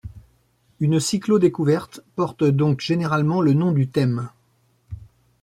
Une cyclo-découverte porte donc généralement le nom du thème.